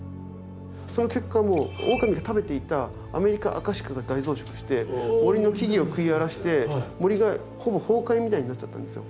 その結果オオカミが食べていたアメリカアカシカが大増殖して森の木々を食い荒らして森がほぼ崩壊みたいになっちゃったんですよ。